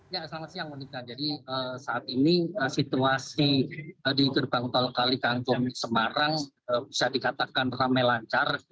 ya selamat siang monika jadi saat ini situasi di gerbang tol kalikangkung semarang bisa dikatakan ramai lancar